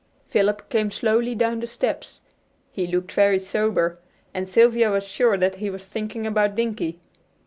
Philip came slowly down the steps. He looked very sober, and Sylvia was sure that he was thinking about Dinkie.